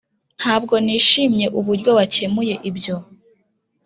] ntabwo nishimiye uburyo wakemuye ibyo.